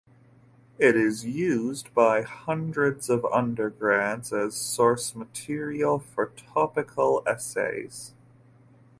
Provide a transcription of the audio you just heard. It is used by hundreds of undergrads as source material for topical essays.